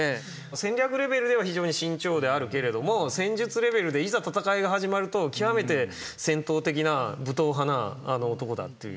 戦略レベルでは非常に慎重であるけれども戦術レベルでいざ戦いが始まると極めて戦闘的な武闘派な男だっていう。